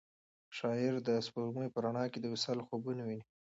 شاعر د سپوږمۍ په رڼا کې د وصال خوبونه ویني.